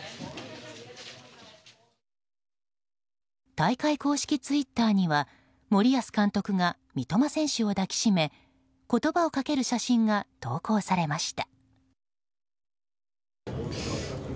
大会公式ツイッターには森保監督が三笘選手を抱きしめ言葉をかける写真が投稿されました。